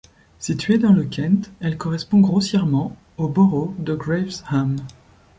Située dans le Kent, elle correspond grossièrement au borough de Gravesham.